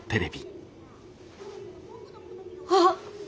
あっ！